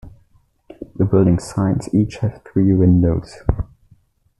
The building sides each have three windows.